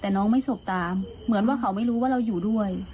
แต่น้องไม่สบตามเหมือนว่าเขาไม่รู้ว่าเราอยู่ด้วย